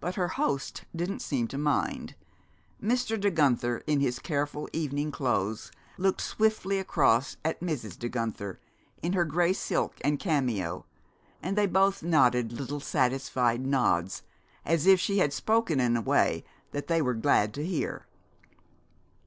But her hosts didn't seem to mind. Mr. De Guenther in his careful evening clothes looked swiftly across at Mrs. De Guenther in her gray silk and cameo, and they both nodded little satisfied nods, as if she had spoken in a way that they were glad to hear.